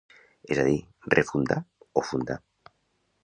És a dir, refundar o fundar.